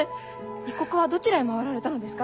異国はどちらへ回られたのですか？